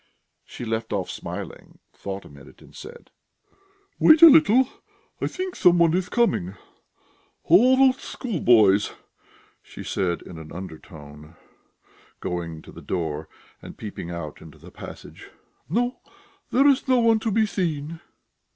She left off smiling, thought a minute, and said: "Wait a little; I think somebody is coming. Oh, these schoolboys!" she said in an undertone, going to the door and peeping out into the passage. "No, there is no one to be seen...."